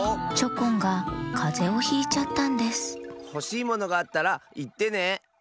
チョコンがかぜをひいちゃったんですほしいものがあったらいってね。